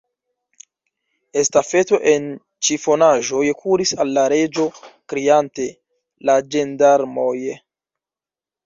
Estafeto en ĉifonaĵoj kuris al la Reĝo, kriante: "La ĝendarmoj!"